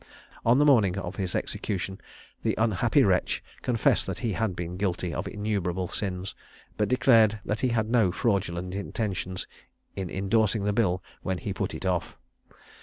On the morning of his execution, the unhappy wretch confessed that he had been guilty of innumerable sins, but declared that he had no fraudulent intention in indorsing the bill when he put it off.